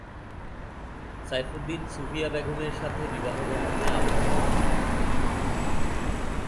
সাইফুদ্দিন সুফিয়া বেগম এর সাথে বিবাহ বন্ধনে আবদ্ধ হন।